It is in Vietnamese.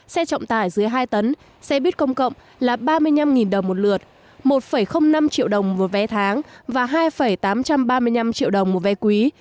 xe trọng tải dưới hai tấn xe buýt công cộng là ba mươi năm đồng một lượt một năm triệu đồng một vé tháng và hai tám trăm ba mươi năm triệu đồng một vé quý